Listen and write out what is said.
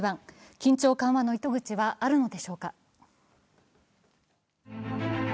緊張緩和の糸口はあるのでしょうか？